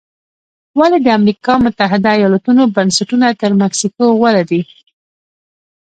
ولې د امریکا متحده ایالتونو بنسټونه تر مکسیکو غوره دي؟